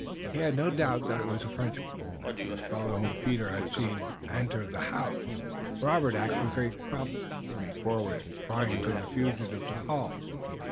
He had no doubt that it was a Frenchman, the fellow whom Peter had seen enter the house. Robert acted with great promptness, running forward and crying to the fugitive to halt.